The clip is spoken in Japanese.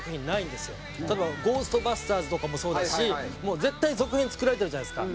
例えば『ゴーストバスターズ』とかもそうですしもう絶対続編作られてるじゃないですか。